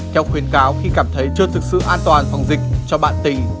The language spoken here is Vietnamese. theo khuyến cáo khi cảm thấy chưa thực sự an toàn phòng dịch cho bạn tình